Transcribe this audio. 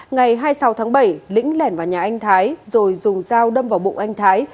ngày hai mươi sáu tháng bảy lĩnh lèn vào nhà anh thái rồi dùng dao đâm vào bụng anh thái